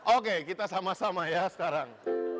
oke kita sama sama ya sekarang